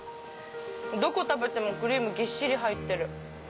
どこ食べてもクリームぎっしり入ってる。